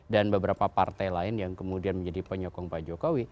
dan beberapa partai lain yang kemudian menjadi penyokong pak jokowi